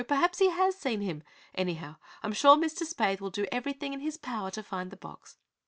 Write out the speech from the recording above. Perhaps he has seen him. Anyhow, I'm sure Mr. Spaythe will do everything in his power to find the box.